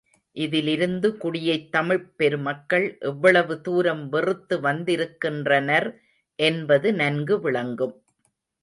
இதிலிருந்து குடியைத் தமிழ்ப் பெருமக்கள் எவ்வளவு தூரம் வெறுத்து வந்திருக்கின்றனர் என்பது நன்கு விளங்கும்.